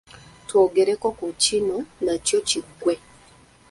Twogereko ku kino nakyo kiggwe.